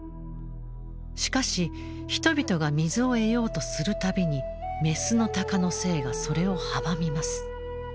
しかし人々が水を得ようとする度にメスの鷹の精がそれを阻みます。